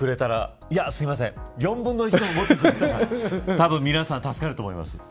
いえ４分の１をもってくれたら皆さん、助かると思います。